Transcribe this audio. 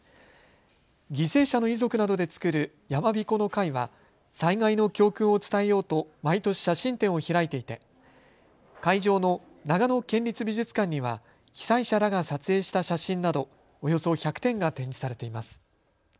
犠牲者の遺族などで作る山びこの会は災害の教訓を伝えようと毎年、写真展を開いていて会場の長野県立美術館には被災者らが撮影した写真などおよそ１００点が展示されています。